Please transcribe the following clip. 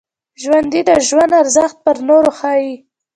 ژوندي د ژوند ارزښت پر نورو ښيي